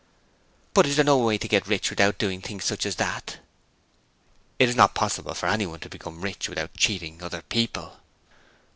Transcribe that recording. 'But is there no way to get rich without doing such things as that?' 'It's not possible for anyone to become rich without cheating other people.'